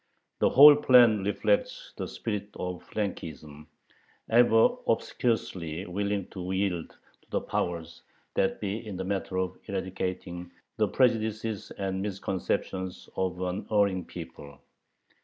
The whole plan reflects the spirit of flunkeyism, ever obsequiously willing to yield to the powers that be in the matter "of eradicating the prejudices and misconceptions of an erring people."